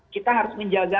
kita harus menjaga